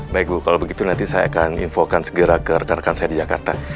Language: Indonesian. baik bu kalau begitu nanti saya akan infokan segera ke rekan rekan saya di jakarta